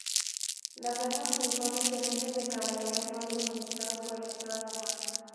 Las armas, uniformes y arneses de caballería fueron suministrados por el estado Alemán.